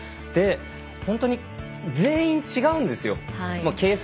で、本当に全員違うんですよ。